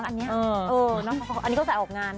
อันนี้อันนี้ก็ใส่ออกงาน